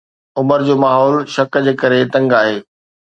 عمر جو ماحول شڪ جي ڪري تنگ آهي